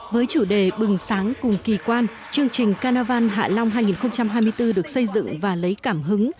với chủ đề bừng sáng cùng kỳ quan chương trình carnival hạ long hai nghìn hai mươi bốn được xây dựng và lấy cảm hứng